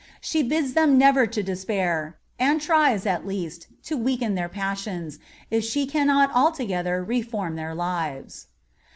She bids them never to despair, and tries, at least, to weaken their passions, if she cannot altogether reform their lives.